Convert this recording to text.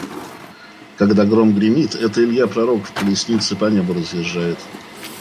Когда гром гремит, это Илья-пророк в колеснице по небу разъезжает.